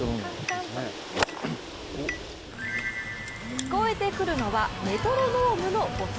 聞こえてくるのはメトロノームの音。